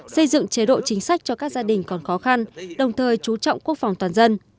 xây dựng chế độ chính sách cho các gia đình còn khó khăn đồng thời chú trọng quốc phòng toàn dân